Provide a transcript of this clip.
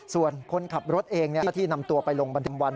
ส่วนคนขับรถเองมีที่นำตัวไปลงบรรษีปัญญาวัน